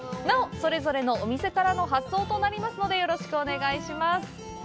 なおそれぞれのお店からの発送となりますのでよろしくお願いします。